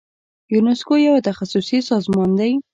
یونسکو یو تخصصي سازمان دی.